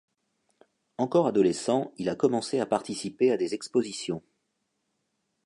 Encore adolescent, il a commencé à participer à des expositions.